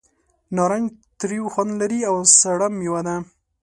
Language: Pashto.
نارنج تریو خوند لري او سړه مېوه ده.